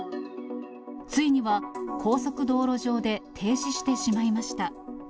ついには、高速道路上で停止してしまいました。